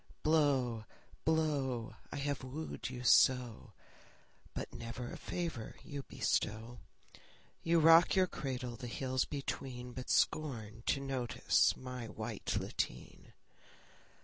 Blow, blow! I have wooed you so, But never a favour you bestow. You rock your cradle the hills between, But scorn to notice my white lateen.